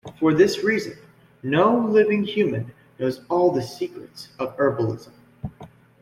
For this reason, no living human knows all the secrets of herbalism.